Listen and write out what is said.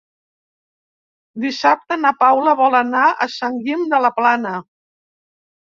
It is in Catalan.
Dissabte na Paula vol anar a Sant Guim de la Plana.